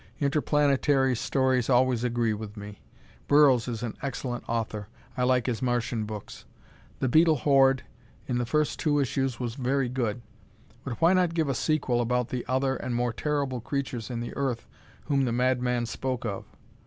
Interplanetary stories always agree with me. Burroughs is an excellent author. I like his Martian books. "The Beetle Horde" in the first two issues was very good. But why not give a sequel about the other and more terrible creatures in the earth whom the madman spoke of?